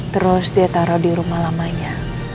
terus dia taruh di rumah lamanya